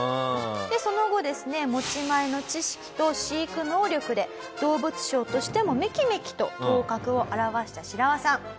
その後ですね持ち前の知識と飼育能力で動物商としてもめきめきと頭角を現したシラワさん。